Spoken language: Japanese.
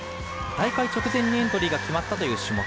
大会直前にエントリーが決まったという種目。